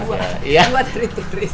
tadi hanya dua turis